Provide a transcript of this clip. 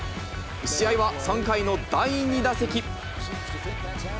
試合は３回の第２打席。